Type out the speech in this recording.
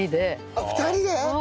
あっ２人で！